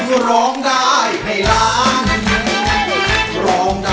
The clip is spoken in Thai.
ขอบคุณทุกคนมากครับ